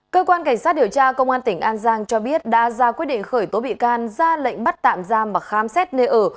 cơ quan cảnh sát điều tra công an tỉnh an giang cho biết đã ra quyết định khởi tố bị can ra lệnh bắt tạm giam và khám xét nơi ở